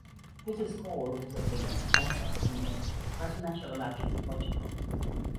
His score was the biggest ever in a presidential election in Portugal.